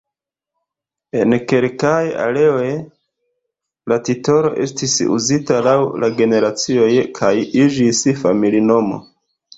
En kelkaj areoj, la titolo estis uzita laŭ la generacioj, kaj iĝis familinomo.